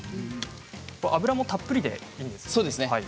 油もたっぷりでいいんですね。